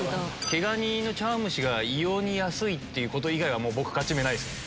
毛ガニの茶碗蒸しが異様に安いっていうこと以外は僕勝ち目ないっすね。